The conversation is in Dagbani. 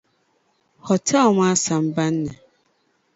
Hotel maa sambani ni.